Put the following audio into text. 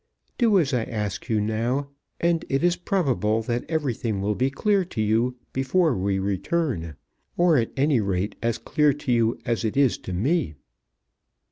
Do as I ask you now, and it is probable that everything will be clear to you before we return, or at any rate as clear to you as it is to me."